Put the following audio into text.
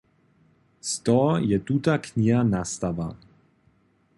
Z toho je tuta kniha nastała.